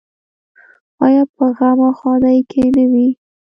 آیا په غم او ښادۍ کې نه وي؟